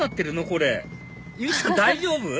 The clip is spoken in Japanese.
これ由依ちゃん大丈夫？